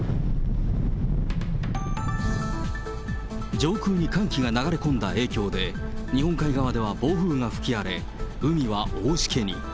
上空に寒気が流れ込んだ影響で、日本海側では暴風が吹き荒れ、海は大しけに。